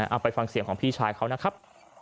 เอาไปฟังเสียงของพี่ชายเขานะครับ